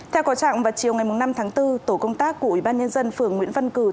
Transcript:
theo có trạng vào chiều ngày năm tháng bốn tổ công tác của ubnd phường nguyễn văn thắng